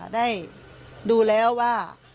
ได้ดูแล้วว่า